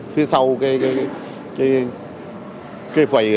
phía sau cái